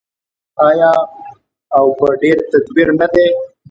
آیا او په ډیر تدبیر نه دی؟